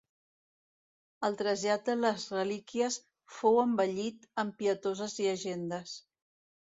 El trasllat de les relíquies fou embellit amb pietoses llegendes.